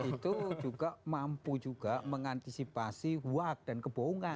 dan itu juga mampu juga mengantisipasi huat dan kebohongan